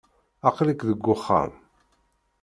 Aql-ik deg wexxam.